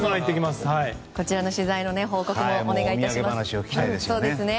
こちらの取材の報告もお願いします。